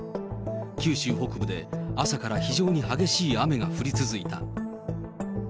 九州北部で朝から非常に激しい雨が降り続いた。